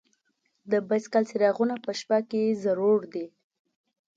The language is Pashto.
د بایسکل څراغونه په شپه کې ضرور دي.